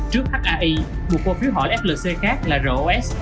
trước hai một quà phiếu hỏi flc khác là ros